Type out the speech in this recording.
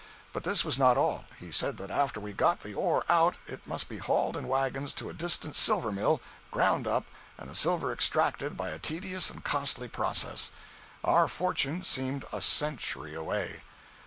But this was not all. He said that after we got the ore out it must be hauled in wagons to a distant silver mill, ground up, and the silver extracted by a tedious and costly process. Our fortune seemed a century away!